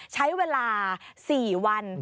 ใช้เวลา๔วัน